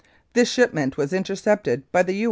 This shipment was intercepted by the U.